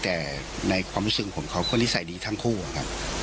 แต่ในความรู้สึกของผมเขาก็นิสัยดีทั้งคู่อะครับ